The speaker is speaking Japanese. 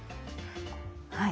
はい。